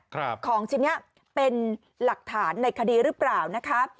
ของชิ้นนี้เป็นหลักฐานในคดีหรือเปล่านะคะ